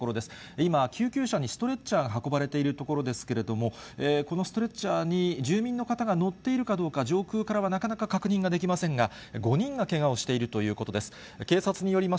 今、救急車にストレッチャーが運ばれているところですけれども、このストレッチャーに住民の方が乗っているかどうか、上空からはなかなか確認ができませんが、５人がけがをしているということです。